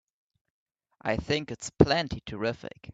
I think it's plenty terrific!